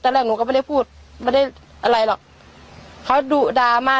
แรกหนูก็ไม่ได้พูดไม่ได้อะไรหรอกเขาดุดามาก